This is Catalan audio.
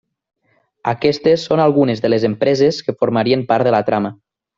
Aquestes són algunes de les empreses que formarien part de la trama.